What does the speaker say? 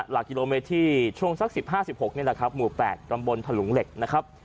หลักกิโลเมตรที่ช่วงสักสิบห้าสิบหกนี่แหละครับหมู่แปดดำบลถลงเหล็กนะครับ